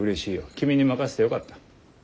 君に任せてよかった。